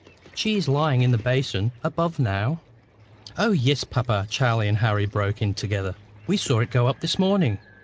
She is lying in the basin above now." "O, yes, papa," Charlie and Harry broke in together. "We saw it go up this morning.